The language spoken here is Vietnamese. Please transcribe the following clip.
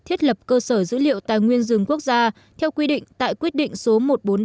thiết lập cơ sở dữ liệu tài nguyên rừng quốc gia theo quy định tại quyết định số một nghìn bốn trăm ba mươi chín